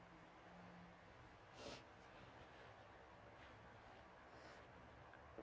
saya pernah bertemu dengan orang yang mengalami rasa ketakutan